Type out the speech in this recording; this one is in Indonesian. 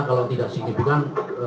kalau tidak signifikan